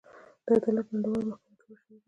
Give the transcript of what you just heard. د عدالت نړیواله محکمه جوړه شوې ده.